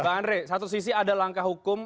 bang andre satu sisi ada langkah hukum